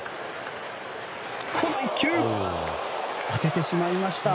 この１球、当ててしまいました。